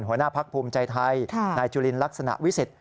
หัวหน้าภักดิ์ภูมิใจไทยนายจุลินลักษณะวิเศษ